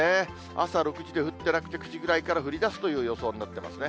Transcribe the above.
朝６時で降ってなくて、９時ぐらいから降りだすという予想になってますね。